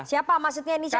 siapa maksudnya ini siapa